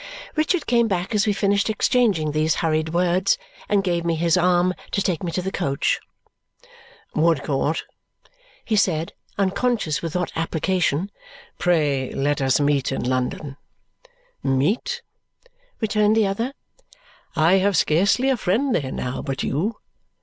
Richard came back as we finished exchanging these hurried words and gave me his arm to take me to the coach. "Woodcourt," he said, unconscious with what application, "pray let us meet in London!" "Meet?" returned the other. "I have scarcely a friend there now but you.